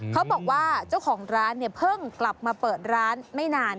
เขาบอกว่าเจ้าของร้านเนี่ยเพิ่งกลับมาเปิดร้านไม่นาน